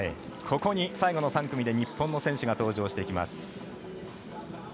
ここに最後の３組で日本の選手が登場します。